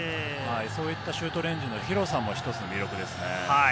そういったシュートレンジの広さも一つの魅力ですね。